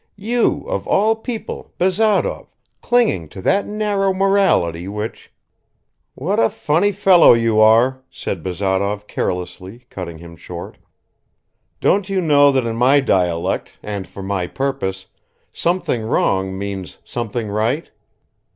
You, of all people, Bazarov, clinging to that narrow morality which ..." "What a funny fellow you are!" said Bazarov carelessly, cutting him short. "Don't you know that in my dialect and for my purpose 'something wrong' means 'something right'?